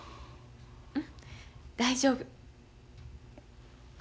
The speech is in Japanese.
うん大丈夫。